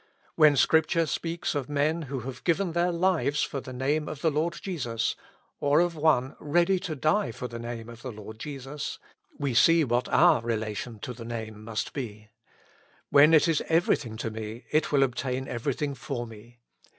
When Scripture speaks of " men who have given their lives for the Name of the Lord Jesus," or of one "ready to die for the Name of the Lord Jesus," we see what our relation to the Name must be : when it is everything to me, it will obtain everything for me.